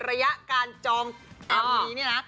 ระยะการจองแอบนี้เนี่ยล่ะ